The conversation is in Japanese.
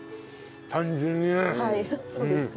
単純にね。